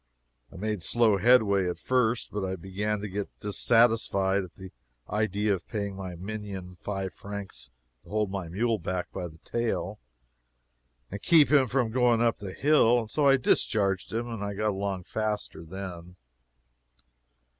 I made slow headway at first, but I began to get dissatisfied at the idea of paying my minion five francs to hold my mule back by the tail and keep him from going up the hill, and so I discharged him. I got along faster then.